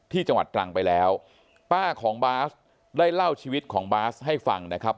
จังหวัดตรังไปแล้วป้าของบาสได้เล่าชีวิตของบาสให้ฟังนะครับ